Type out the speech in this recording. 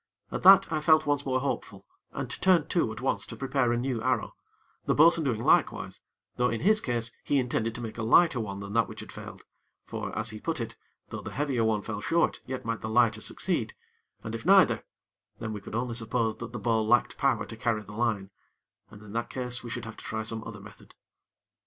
At that, I felt once more hopeful, and turned to at once to prepare a new arrow; the bo'sun doing likewise; though in his case he intended to make a lighter one than that which had failed; for, as he put it, though the heavier one fell short, yet might the lighter succeed, and if neither, then we could only suppose that the bow lacked power to carry the line, and in that case, we should have to try some other method.